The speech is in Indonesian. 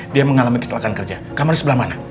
dia mengalami kesalahan kerja kamu ada sebelah mana